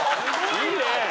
いいね！